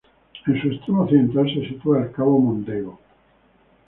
En su extremo occidental se sitúa el Cabo Mondego.